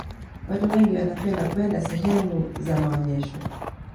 watu wengi wanapenda kwenda sehemu za maonyesho